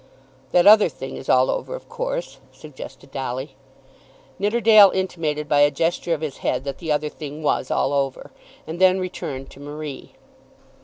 "That other thing is all over of course," suggested Dolly. Nidderdale intimated by a gesture of his head that the other thing was all over, and then returned to Marie.